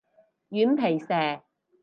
軟皮蛇